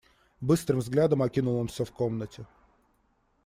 Быстрым взглядом окинул он всё в комнате.